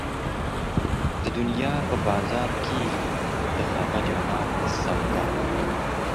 د دنيا په بازار کېږي د هغه جهان سودا